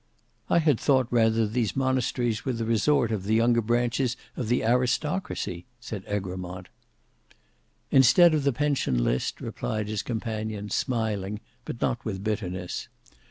"I had thought rather these monasteries were the resort of the younger branches of the aristocracy?" said Egremont. "Instead of the pension list;" replied his companion, smiling, but not with bitterness.